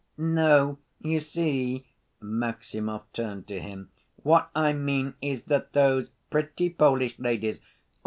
"No, you see," Maximov turned to him. "What I mean is that those pretty Polish ladies